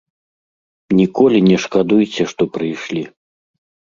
Ніколі не шкадуйце, што прыйшлі.